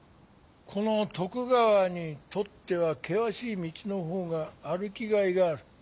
この徳川にとっては険しい道のほうが歩きがいがある。